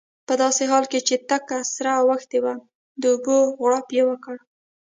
په داسې حال کې چې تکه سره اوښتې وه د اوبو غړپ یې وکړ.